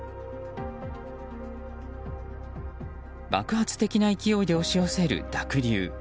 爆発的な勢いで押し寄せる濁流。